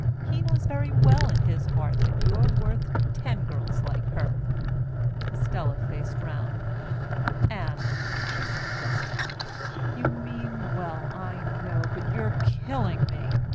He knows very well in his heart that you're worth ten girls like her." Estella faced around. "Aunt," she said desperately, "you mean well, I know, but you're killing me!